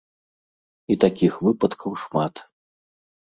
І такіх выпадкаў шмат.